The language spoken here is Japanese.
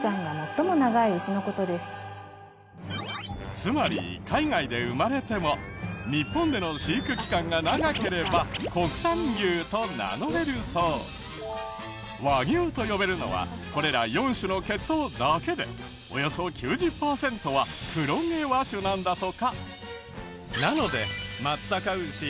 つまり海外で生まれても日本での和牛と呼べるのはこれら４種の血統だけでおよそ９０パーセントは黒毛和種なんだとか。